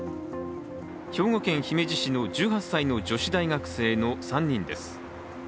兵庫県姫路市の１８歳の女子大学生の３人です。